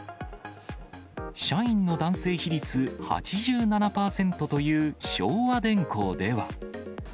社員の男性比率８７％という昭和電工では。